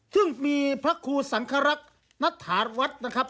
ซึ่งมีพระครูสังครักษ์ณฐาวัดนะครับ